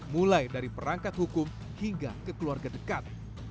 mulai dari perangkat hukum hingga ke keluarga dekat